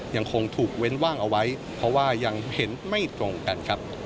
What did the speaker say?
ยังคงถูกเว้นว่างเอาไว้เพราะว่ายังเห็นไม่ตรงกันครับ